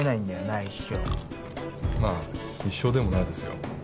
あ一生まあ一生でもないですよ